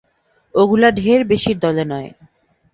ওগুলা ঢের বেশির দলে নয়।